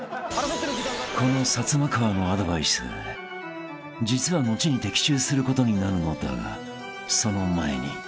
［このサツマカワのアドバイス実は後に的中することになるのだがその前に］